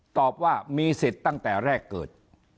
ตอบว่ามีสิทธิ์ตั้งแต่แรกเกิด